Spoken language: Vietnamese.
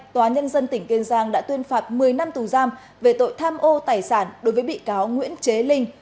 tòa nhân dân tỉnh kiên giang đã tuyên phạt một mươi năm tù giam về tội tham ô tài sản đối với bị cáo nguyễn chế linh